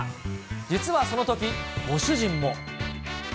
実はそのとき、ご主人も。